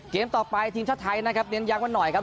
เตรียมต่อไปทีมชาวไทยนะครับเน้นยังไว้หน่อยครับ